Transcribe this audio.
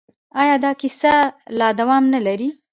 آیا دا کیسه لا دوام نلري؟